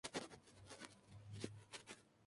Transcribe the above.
Fue fundada por Domenico Dolce y Stefano Gabbana.